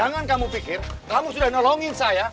jangan kamu pikir kamu sudah nolongin saya